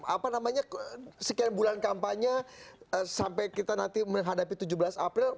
apa namanya sekian bulan kampanye sampai kita nanti menghadapi tujuh belas april